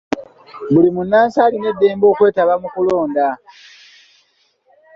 Buli munnansi alina eddembe okwetaba mu kulonda.